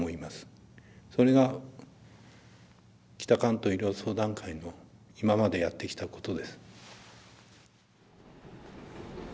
それが北関東医療相談会の今までやってきたことです。